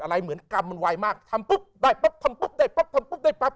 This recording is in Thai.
อะไรเหมือนกรรมมันไวมากทำปุ๊บได้ปั๊บทนปุ๊บได้ปั๊บทนปุ๊บได้ปั๊บ